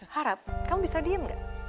harap kamu bisa diem